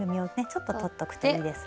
ちょっととっとくといいです。